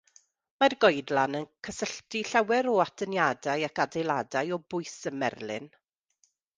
Mae'r goedlan yn cysylltu llawer o atyniadau ac adeiladau o bwys ym Merlin.